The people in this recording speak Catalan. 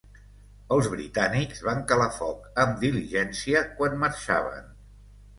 Els britànics van calar foc amb "diligència" quan marxaven.